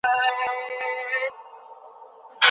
د لويي جرګې په لویه خېمه کي ږغیز مایکروفونونه چېرته دي؟